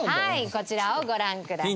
こちらをご覧ください。